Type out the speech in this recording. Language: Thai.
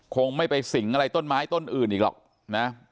คงไม่ไปสิงอะไรต้นไม้ต้นอื่นอีกหรอกนะ